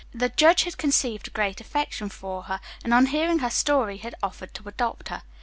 The judge had conceived a great affection for her, and on hearing her story had offered to adopt her.